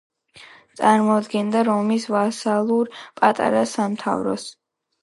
წარმოადგენდა რომის ვასალურ პატარა სამთავროს.